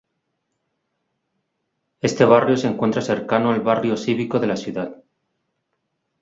Este barrio se encuentra cercano al barrio cívico de la ciudad.